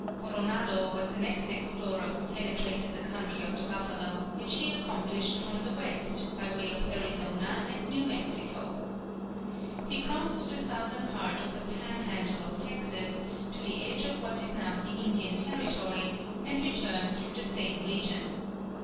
Coronado was the next explorer who penetrated the country of the buffalo, which he accomplished from the west, by way of Arizona and New Mexico. He crossed the southern part of the "Pan handle" of Texas, to the edge of what is now the Indian Territory, and returned through the same region.